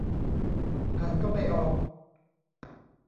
อ่านก็ไม่ออก